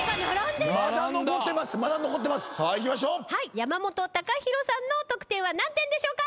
山本高広さんの得点は何点でしょうか？